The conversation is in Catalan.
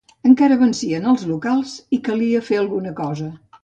Encara vencien els locals, i calia fer alguna cosa.